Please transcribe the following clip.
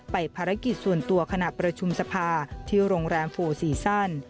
ภารกิจส่วนตัวขณะประชุมสภาที่โรงแรมโฟลซีซั่น